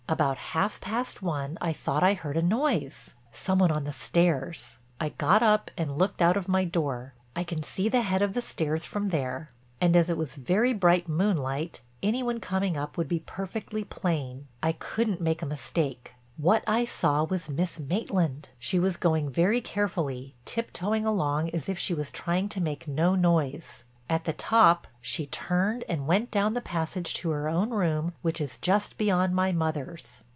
About half past one I thought I heard a noise—some one on the stairs—and I got up and looked out of my door. I can see the head of the stairs from there, and as it was very bright moonlight any one coming up would be perfectly plain—I couldn't make a mistake—what I saw was Miss Maitland. She was going very carefully, tiptoeing along as if she was trying to make no noise. At the top she turned and went down the passage to her own room which is just beyond my mother's."